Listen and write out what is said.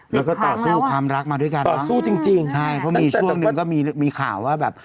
แล้วก็ต่อสู้ความรักมาด้วยกันนะครับใช่พวกมีช่วงหนึ่งก็มีข่าวว่าแบบ